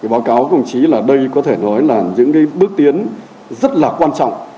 báo cáo của công chí là đây có thể nói là những bước tiến rất là quan trọng